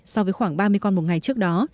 so với khoảng ba mươi con một ngày trước đó